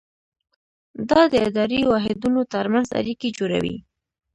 دا د اداري واحدونو ترمنځ اړیکې جوړوي.